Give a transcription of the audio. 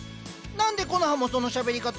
何でコノハもそのしゃべり方？